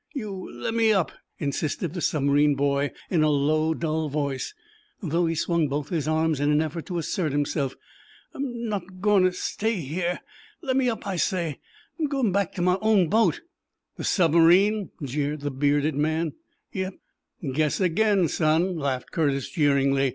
"You lemme up," insisted the submarine boy, in a low, dull voice, though he swung both his arms in an effort to assert himself. "'M not goin' t' stay here. Lemme up, I say! 'M goin' back to—own boat." "The submarine?" jeered the bearded man. "Yep." "Guess again, son," laughed Curtis, jeeringly.